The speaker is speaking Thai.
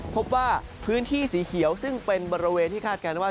พบว่าพื้นที่สีเขียวซึ่งเป็นบริเวณที่คาดการณ์ว่า